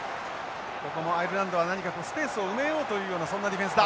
ここもアイルランドは何かスペースを埋めようというようなそんなディフェンスだ。